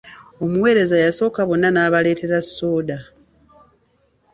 Omuweereza yasooka bonna n'abaleetera sooda.